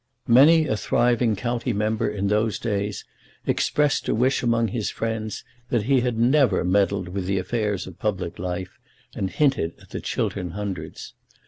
Many a thriving county member in those days expressed a wish among his friends that he had never meddled with the affairs of public life, and hinted at the Chiltern Hundreds.